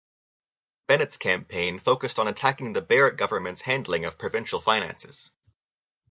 Bennett's campaign focused on attacking the Barrett government's handling of provincial finances.